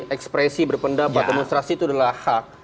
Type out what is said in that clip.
ekspresi berpendapat demonstrasi itu adalah hak